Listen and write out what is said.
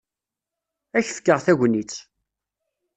Ad k-fkeɣ tagnit.